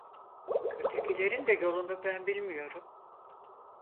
Ötekilerin de yolunu ben bilmiyorum.